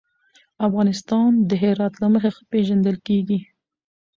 افغانستان د هرات له مخې ښه پېژندل کېږي.